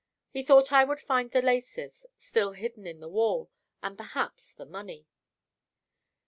He thought I would find the laces still hidden in the wall, and perhaps the money."